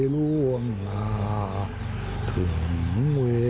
รักษาบ้านเมืองเอาไว้